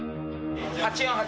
８４８。